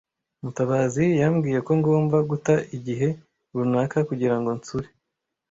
Mutabazi yambwiye ko ngomba guta igihe runaka kugira ngo nsure.